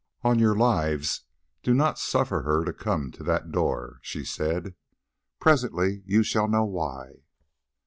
"On your lives do not suffer her to come to that door," she said; "presently you shall know why."